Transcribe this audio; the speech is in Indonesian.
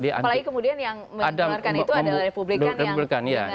apalagi kemudian yang mengeluarkan itu adalah republikan yang